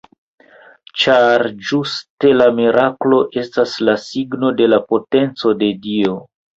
Ĉar ĝuste la miraklo estas la signo de la potenco de Dio.